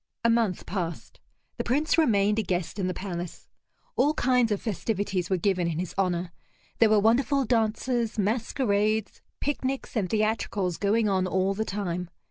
A month passed. The Prince remained a guest in the palace. All kinds of festivities were given in his honor; there were wonderful dances, masquerades, picnics, and theatricals going on all the time.